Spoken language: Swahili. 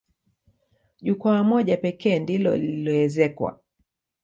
Jukwaa moja pekee ndilo lililoezekwa.